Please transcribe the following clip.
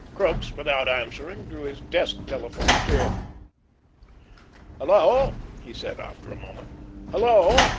Crookes, without answering, drew his desk telephone to him. "Hello!" he said after a moment. "Hello!